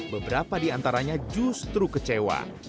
beberapa diantaranya justru kecewa